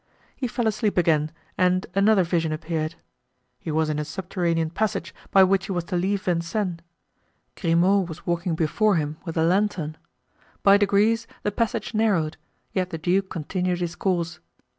He fell asleep again and another vision appeared. He was in a subterranean passage by which he was to leave Vincennes. Grimaud was walking before him with a lantern. By degrees the passage narrowed, yet the duke continued his course.